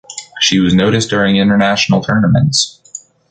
She was noticed during international tournaments.